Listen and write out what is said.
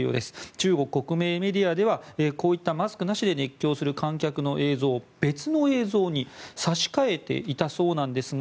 中国国営メディアではこういったマスクなしで熱狂する観客の映像を別の映像に差し替えていたそうなんですが